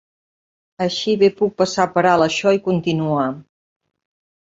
Així bé puc passar per alt això i continuar.